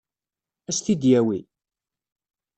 Ad s-t-id-yawi?